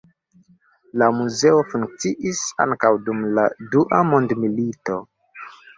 La muzeo funkciis ankaŭ dum la dua mondmilito.